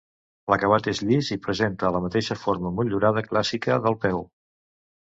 L'acabat és llis i presenta la mateixa forma motllurada clàssica del peu.